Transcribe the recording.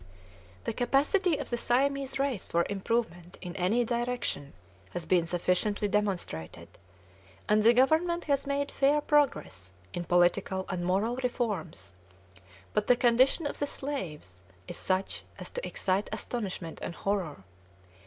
The capacity of the Siamese race for improvement in any direction has been sufficiently demonstrated, and the government has made fair progress in political and moral reforms; but the condition of the slaves is such as to excite astonishment and horror.